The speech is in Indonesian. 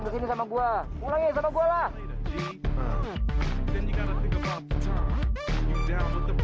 sayangnya kau mau pulang vantan dan seem selamat semua putranya semua baiknya